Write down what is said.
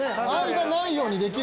間ないようにできるの。